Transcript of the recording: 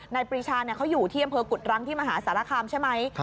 ปรีชาเขาอยู่ที่อำเภอกุฎรังที่มหาสารคามใช่ไหม